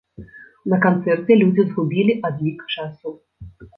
На канцэрце людзі згубілі адлік часу.